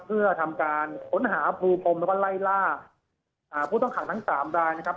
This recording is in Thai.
เพื่อทำการค้นหาภูพรมแล้วก็ไล่ล่าผู้ต้องขังทั้งสามรายนะครับ